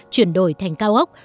chuyển đổi thành cao ốc